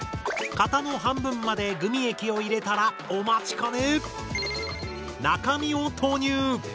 型の半分までグミ液を入れたらお待ちかね中身を投入！